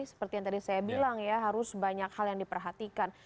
seperti yang tadi saya bilang ya harus banyak hal yang diperhatikan